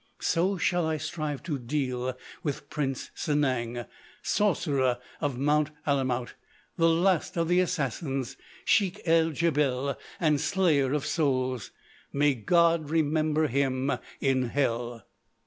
"So shall I strive to deal with Prince Sanang, Sorcerer of Mount Alamout, the last of the Assassins, Sheik el Djebel, and Slayer of Souls.... May God remember him in hell."